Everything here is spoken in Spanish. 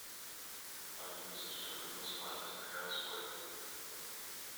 Algunos de sus alumnos más destacados fueron.